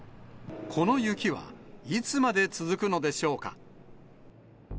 この雪はいつまで続くのでしょうか。